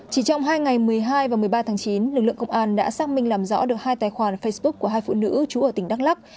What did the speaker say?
chỉ trong hai ngày một mươi hai và một mươi ba tháng chín lực lượng công an đã xác minh làm rõ được hai tài khoản facebook của hai phụ nữ trú ở tỉnh đắk lắc